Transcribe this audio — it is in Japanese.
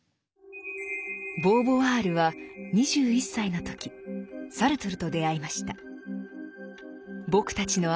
ボーヴォワールは２１歳の時サルトルと出会いました。